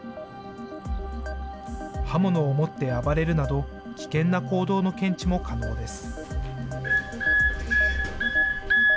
刃物を持って暴れるなど、危険な行動の検知も可能です。